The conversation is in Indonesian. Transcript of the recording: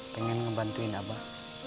pengen ngebantuin abah